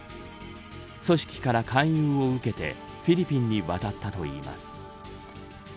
組織から勧誘を受けてフィリピンに渡ったといいます。